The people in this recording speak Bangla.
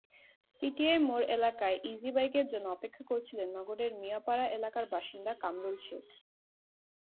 পিটিআই মোড় এলাকায় ইজিবাইকের জন্য অপেক্ষা করছিলেন নগরের মিয়াপাড়া এলাকার বাসিন্দা কামরুল শেখ।